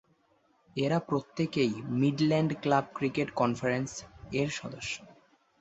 এরা প্রত্যেকেই "Midland Club Cricket Conference" এর সদস্য।